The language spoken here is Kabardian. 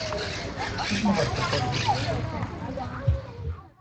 Сыт мы къэфлъыхъуэхэр зищӀысыр?